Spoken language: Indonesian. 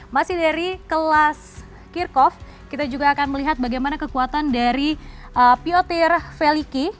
masih dari kelas kirkov kita juga akan melihat bagaimana kekuatan dari piotir feliqi